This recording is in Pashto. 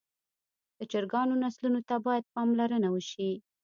د چرګانو نسلونو ته باید پاملرنه وشي.